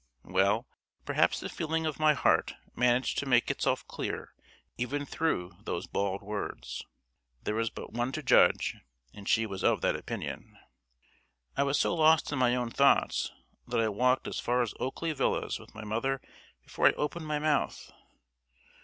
Well, perhaps the feeling of my heart managed to make itself clear even through those bald words. There was but one to judge, and she was of that opinion. I was so lost in my own thoughts that I walked as far as Oakley Villa with my mother before I opened my mouth.